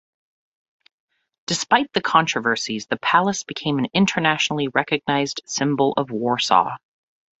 Despite the controversies, the Palace became an internationally recognized symbol of Warsaw.